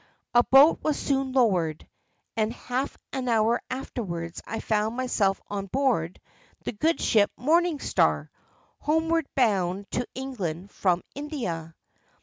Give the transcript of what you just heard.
A boat was soon lowered, and half an hour afterwards I found myself on board the good ship Morning Star, homeward bound to England from India.